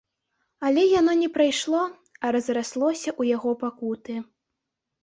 Але яно не прайшло, а разраслося ў яго пакуты.